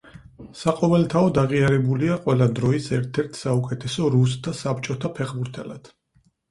საყოველთაოდ აღიარებულია ყველა დროის ერთ-ერთ საუკეთესო რუს და საბჭოთა ფეხბურთელად.